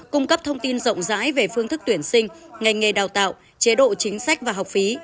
cung cấp thông tin rộng rãi về phương thức tuyển sinh ngành nghề đào tạo chế độ chính sách và học phí